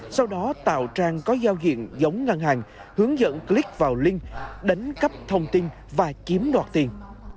sau đó tạo trang có giao diện giống ngân hàng hướng dẫn clip vào link đánh cắp thông tin và chiếm đoạt tiền